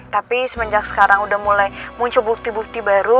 tapi semenjak sekarang udah mulai muncul bukti bukti baru